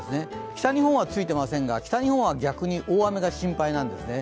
北日本はついていませんが、北日本は逆に大雨が心配なんですね。